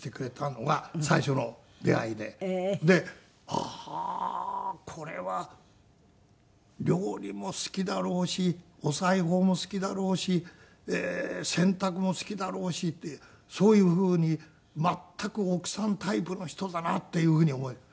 ああーこれは料理も好きだろうしお裁縫も好きだろうし洗濯も好きだろうしってそういうふうに全く奥さんタイプの人だなっていうふうに思えた。